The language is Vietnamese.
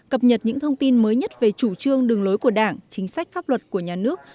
cập nhật những thông tin mới nhất về chủ trương đường lối của đảng chính sách pháp luật của nhà nước